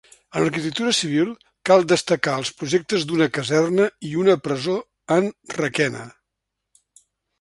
En arquitectura civil, cal destacar, els projectes d'una caserna i una presó en Requena.